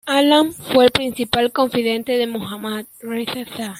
Alam fue el principal confidente de Mohammad Reza Shah.